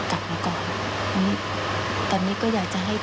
แล้วก็รู้ว่าทำใจยาก